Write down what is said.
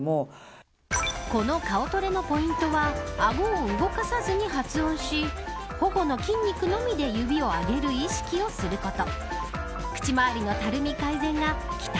この顔トレのポイントはあごを動かさずに発音し頬の筋肉のみで指を上げる意識をすること。